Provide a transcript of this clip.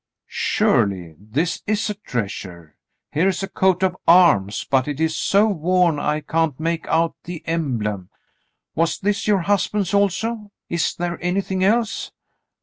"Surely ! This is a treasure. Here is a coat of arms — but it is so worn I can't make out the emblem. Was this your husband's also ? Is there anything else